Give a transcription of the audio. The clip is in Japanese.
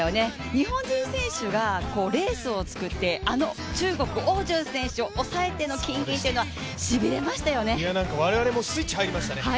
日本人選手が、レースを作ってあの中国、汪順選手を抑えての金・銀というのは我々もスイッチ入りましたね。